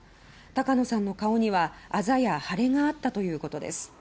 高野さんの顔にはあざやはれがあったということです。